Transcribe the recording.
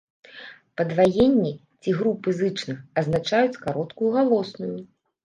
Падваенні ці групы зычных азначаюць кароткую галосную.